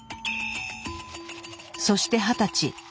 そして二十歳。